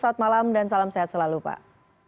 selamat malam dan salam sehat selalu pak